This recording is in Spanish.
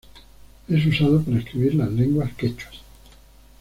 Es usado para escribir las lenguas quechuas.